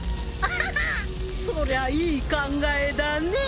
そりゃいい考えだね。